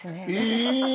え！